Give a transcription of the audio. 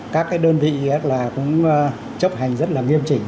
các đơn vị cũng chấp hành rất nghiêm trình